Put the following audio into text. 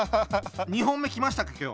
２本目きましたか今日。